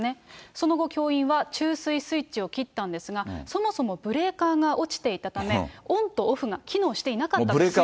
その後、教員は注水スイッチを切ったんですが、そもそもブレーカーが落ちていたため、オンとオフが機能していなかったんです、スイッチの。